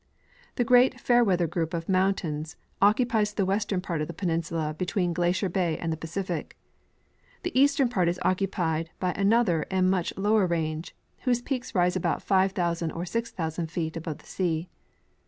The great Fairweather group of mountains occupies the western part of the peninsula between Glacier bay and the Pacific. The east^ern part is occupied by another and much lower range, whose peaks rise about 5,000 or 6,000 feet above the sea.